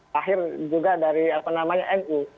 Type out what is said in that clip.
lahir juga dari apa namanya nu